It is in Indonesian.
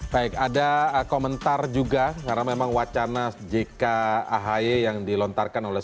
baik ada komentar juga karena memang wacana jk ahy yang dilontarkan oleh